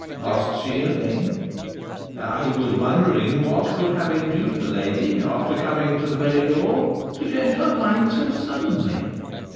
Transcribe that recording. asked she at length. "I was wondering what could have induced the lady, after coming to the very door, to change her mind so suddenly."